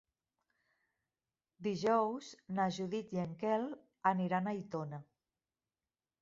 Dijous na Judit i en Quel aniran a Aitona.